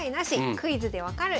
「クイズで分かる！